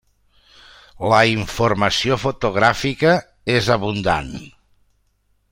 La informació fotogràfica és abundant.